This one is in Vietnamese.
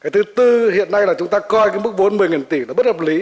thứ bốn là chúng ta coi mức vốn một mươi tỷ là bất hợp lý